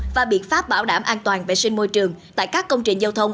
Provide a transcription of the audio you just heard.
và biện pháp bảo đảm an toàn vệ sinh môi trường tại các công trình giao thông